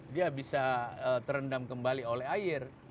dia bisa terendam kembali oleh air